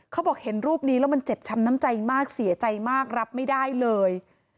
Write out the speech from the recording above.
เขาบอกเห็นรูปนี้แล้วมันเจ็บช้ำน้ำใจมากเสียใจมากรับไม่ได้เลย